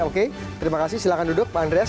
oke terima kasih silahkan duduk bang andreas